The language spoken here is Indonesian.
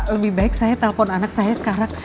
lebih baik saya telpon anak saya sekarang